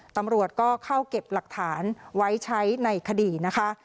ตำรวจก็เข้าเก็บหลักฐานไว้ใช้ในคดีนะคะ